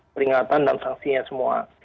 peringatan dan sanksinya semua